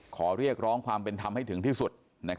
ขอเรียกร้องความเป็นธรรมให้ถึงที่สุด